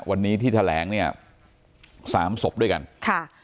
วันนี้ที่แถลงเนี่ยสามศพด้วยกันค่ะ